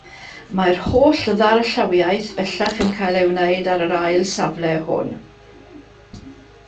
Mae'r holl ddarllawiaeth bellach yn cael ei wneud ar yr ail safle hwn.